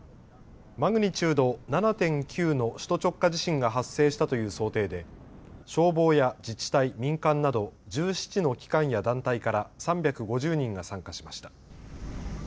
マグニチュード７．９の首都直下地震が発生したという想定で消防や自治体、民間など１７の機関や団体から３５０人が参加しました。